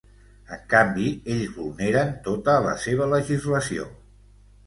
En canvi, ells vulneren tota la seva legislació.